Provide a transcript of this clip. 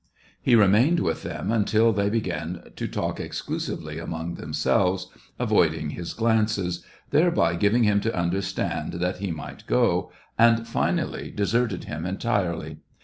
He re mained with them until they began to talk exclu sively among themselves, avoiding his glances, thereby giving him to understand that he might go, and finally deserted him entirely.